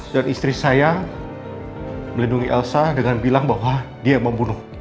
dan istri saya melindungi elsa dengan bilang bahwa dia yang membunuh